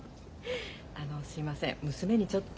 あのすいません娘にちょっと。